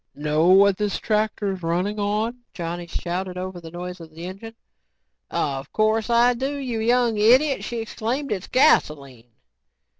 "Know what this tractor's running on?" Johnny shouted over the noise of the engine. "Of course I do, you young idiot," she exclaimed. "It's gasoline."